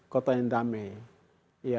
kota yang damai